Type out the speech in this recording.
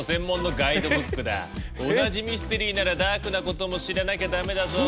同じミステリーならダークなことも知らなきゃダメだぞ！